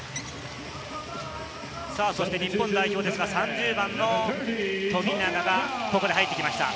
そして日本代表ですが、３０番の富永がここで入ってきました。